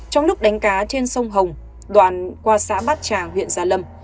trong lúc đánh cá trên sông hồng đoạn qua xã bát tràng huyện gia lâm